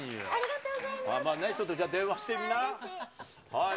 はい。